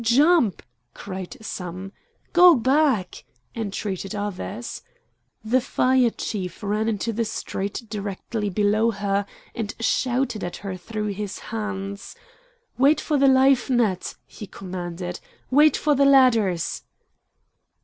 "Jump!" cried some. "Go back!" entreated others. The fire chief ran into the street directly below her and shouted at her through his hands. "Wait for the life net!" he commanded. "Wait for the ladders!"